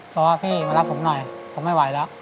บอกว่าพี่มารับผมหน่อยผมไม่ไหวแล้ว